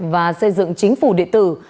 và xây dựng chính phủ địa tử